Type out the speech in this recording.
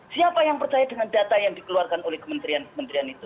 siapa yang percaya dengan data yang dikeluarkan oleh kementerian kementerian itu